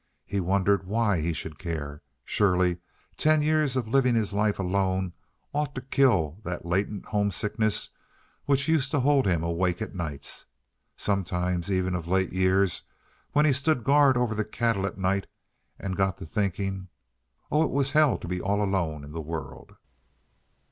He wondered why he should care. Surely, ten years of living his life alone ought to kill that latent homesickness which used to hold him awake at nights. Sometimes even of late years, when he stood guard over the cattle at night, and got to thinking oh, it was hell to be all alone in the world!